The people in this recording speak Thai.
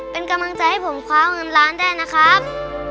เป็นกำลังใจให้ผมคว้าเงินล้านได้นะครับ